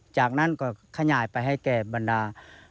จากนั้นก็ขยายไปให้แก่บรรดา